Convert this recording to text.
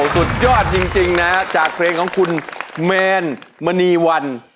สุดยอดจริงนะจากเพลงของคุณแมนมณีวัน